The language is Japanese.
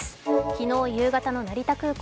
昨日夕方の成田空港。